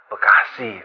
dari bekasi ke serpong